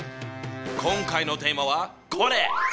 今回のテーマはこれ！